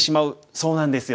そうなんですよ。